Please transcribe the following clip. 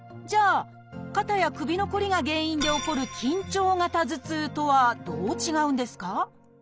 じゃあ肩や首のこりが原因で起こる緊張型頭痛とはどう違うんですか？